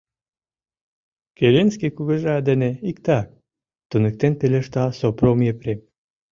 — Керенский кугыжа дене иктак, — туныктен пелешта Сопром Епрем.